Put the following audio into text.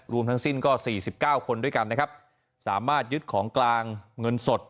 รวมทั้งสิ้นก็๔๙คนด้วยกันนะครับสามารถยึดของกลางเงินสด